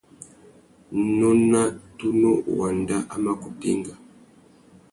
Nôna tunu wanda a mà kutu enga.